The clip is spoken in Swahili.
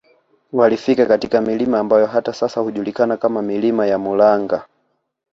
walifika katika milima ambayo hata sasa hujulikana kama milima ya Mulaanga